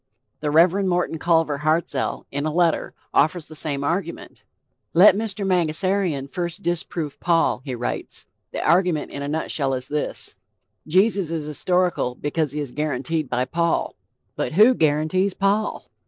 The Rev. Morton Culver Hartzell, in a letter, offers the same argument. "Let Mr. Mangasarian first disprove Paul," he writes. The argument in a nutshell is this: Jesus is historical because he is guaranteed by Paul. But who guarantees Paul?